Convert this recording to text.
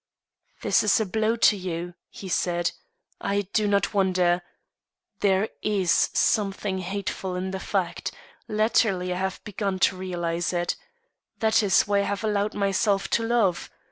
"This is a blow to you," he said. "I do not wonder; there is something hateful in the fact; latterly I have begun to realize it. That is why I have allowed myself to love.